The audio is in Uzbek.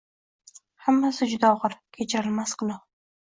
Hammasi juda og`ir, kechirilmas gunoh